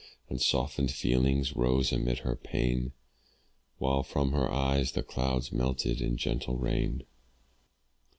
And softened feelings rose amid her pain, While from her eyes, the clouds, melted in gentle rain.